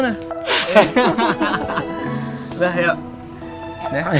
hapus dulu air matanya